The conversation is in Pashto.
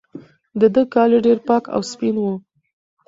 د ده کالي ډېر پاک او سپین وو.